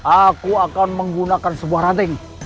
aku akan menggunakan sebuah ranting